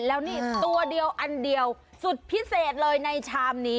แล้วนี่ตัวเดียวอันเดียวสุดพิเศษเลยในชามนี้